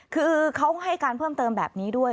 คือเขาให้การเพิ่มเติมแบบนี้ด้วย